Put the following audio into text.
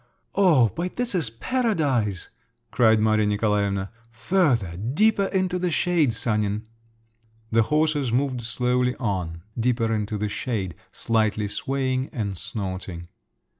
"Oh, but this is paradise!" cried Maria Nikolaevna. "Further, deeper into the shade, Sanin!" The horses moved slowly on, "deeper into the shade," slightly swaying and snorting.